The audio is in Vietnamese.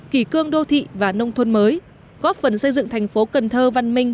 kỳ cương đô thị và nông thôn mới góp phần xây dựng thành phố cần thơ văn minh